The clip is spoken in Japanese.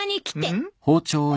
うん？